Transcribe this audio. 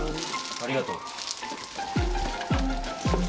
ありがとう。